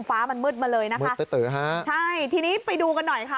ฟ้ามันมืดมาเลยนะคะตื้อฮะใช่ทีนี้ไปดูกันหน่อยค่ะ